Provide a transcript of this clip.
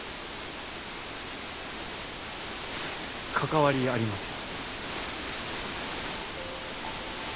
関わりありません。